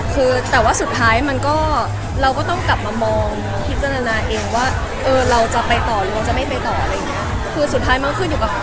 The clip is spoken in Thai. คือแต่ว่าสุดท้ายมันก็เราก็ต้องกลับมามองพิจารณาเองว่าเออเราจะไปต่อหรือ